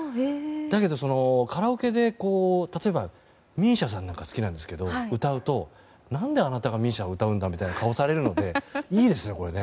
だけど、カラオケで例えばＭＩＳＩＡさんなんか好きなんですけど歌うと、何であなたがＭＩＳＩＡを歌うんだみたいな顔をされるのでいいですね、これ。